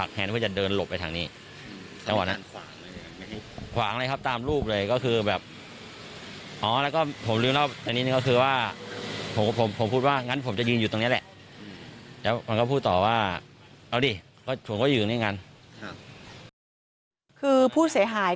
คือผู้เสียหาย